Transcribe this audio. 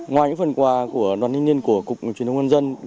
ngoài những phần quà của đoàn thanh niên cục truyền thông công an nhân